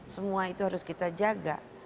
semua itu harus kita jaga